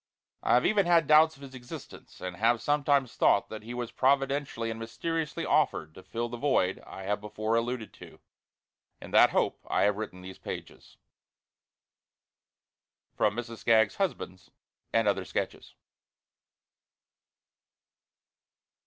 I have even had doubts of his existence, and have sometimes thought that he was providentially and mysteriously offered to fill the void I have before alluded to. In that hope I have written these pages. _Mrs. Skaggs's Husbands, and other Sketches.